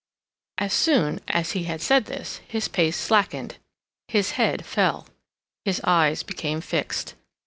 As soon as he had said this, his pace slackened, his head fell, his eyes became fixed.